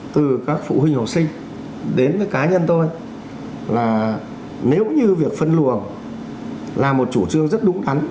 từ các phụ huynh học sinh đến với cá nhân tôi là nếu như việc phân luồng là một chủ trương rất đúng đắn